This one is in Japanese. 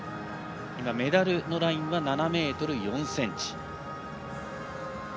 メダルのラインは７ｍ４ｃｍ。